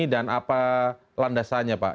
dan apa landasannya pak